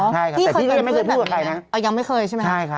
แต่พี่ก็ยังไม่เคยพูดกับใครนะ